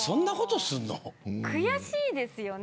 悔しいですよね。